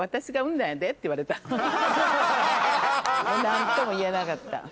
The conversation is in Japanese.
何とも言えなかった。